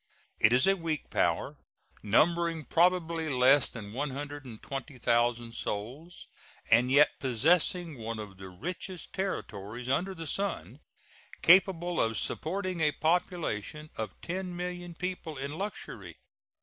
It is a weak power, numbering probably less than 120,000 souls, and yet possessing one of the richest territories under the sun, capable of supporting a population of 10,000,000 people in luxury.